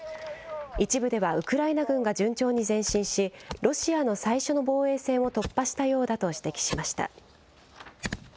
一部ではウクライナ軍が順調に前進し、ロシアの最初の防衛線を突破したようだと指摘しました。